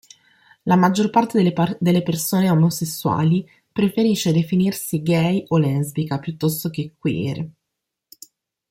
La maggior parte delle persone omosessuali preferisce definirsi "gay" o "lesbica" piuttosto che "queer".